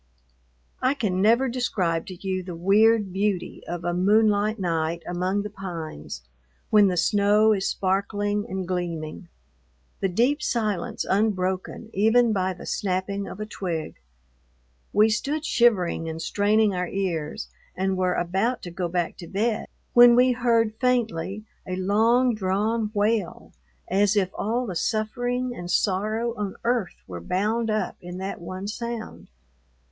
I can never describe to you the weird beauty of a moonlight night among the pines when the snow is sparkling and gleaming, the deep silence unbroken even by the snapping of a twig. We stood shivering and straining our ears and were about to go back to bed when we heard faintly a long drawn wail as if all the suffering and sorrow on earth were bound up in that one sound.